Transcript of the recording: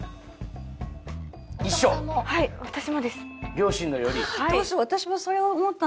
両親の寄り。